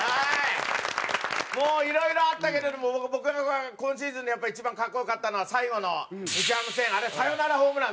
もういろいろあったけれども僕が今シーズンでやっぱ一番格好良かったのは最後の日ハム戦あれサヨナラホームランなんですよ。